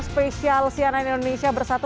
spesial sianan indonesia bersatu